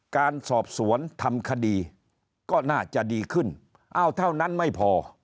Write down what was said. การสอบสวนทำคดีก็น่าจะดีขึ้นอ้าวเท่านั้นไม่พอ